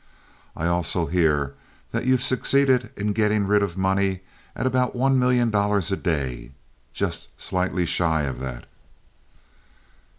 I also hear that you've succeeded in getting rid of money at about one million dollars a day just slightly shy of that."